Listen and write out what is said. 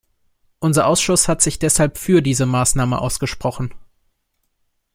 Unser Ausschuss hat sich deshalb für diese Maßnahme ausgesprochen.